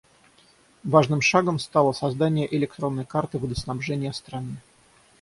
Важным шагом стало создание электронной карты водоснабжения страны.